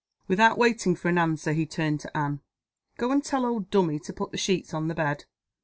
Without waiting for an answer, he turned to Anne. "Go and tell old Dummy to put the sheets on the bed.